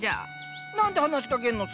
何て話しかけんのさ？